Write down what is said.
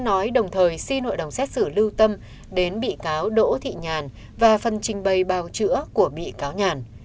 xin hội đồng xét xử lưu tâm đến bị cáo đỗ thị nhàn và phần trình bày bao chữa của bị cáo nhàn